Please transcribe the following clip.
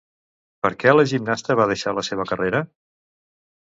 Per què la gimnasta va deixar la seva carrera?